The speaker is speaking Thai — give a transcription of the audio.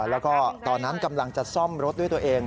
แล้วก็ตอนนั้นกำลังจะซ่อมรถด้วยตัวเอง